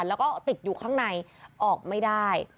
แล้วก็ติดอยู่ข้างในออกไม่ได้